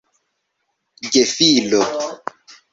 gefilo